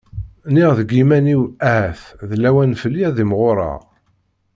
Nniɣ deg yiman-iw ahat d lawan fell-i ad imɣureɣ.